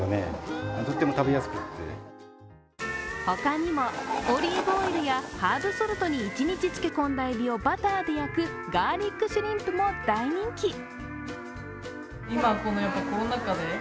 他にもオリーブオイルやハーブソルトに一日漬け込んだえびをバターで焼くガーリックシュリンプも大人気。